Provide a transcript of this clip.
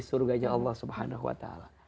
surganya allah swt